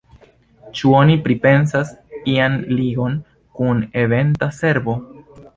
Ĉu oni pripensas ian ligon kun Eventa servo?